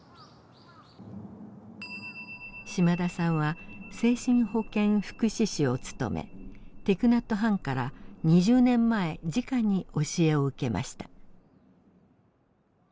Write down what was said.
島田さんは精神保健福祉士を務めティク・ナット・ハンから２０年前じかに教えを受けました。